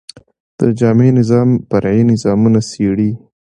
د جامع نظام، فرعي نظامونه څيړي.